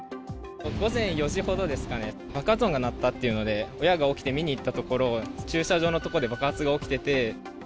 午前４時ほどですかね、爆発音が鳴ったというので、親が起きて見に行ったところ、駐車場の所で爆発が起きてて。